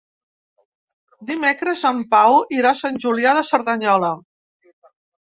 Dimecres en Pau irà a Sant Julià de Cerdanyola.